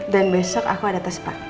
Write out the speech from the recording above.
dan besok aku ada tes praktek